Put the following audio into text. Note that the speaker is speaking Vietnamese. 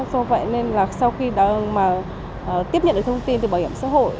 do vậy nên là sau khi mà tiếp nhận được thông tin từ bảo hiểm xã hội